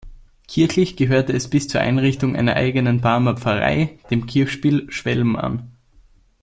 Kirchlich gehörte es bis zur Einrichtung einer eigenen Barmer Pfarrei dem Kirchspiel Schwelm an.